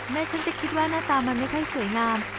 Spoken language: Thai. ฉันจะคิดว่าหน้าตามันไม่ค่อยสวยงาม